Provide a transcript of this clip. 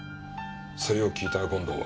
それを聞いた権藤は。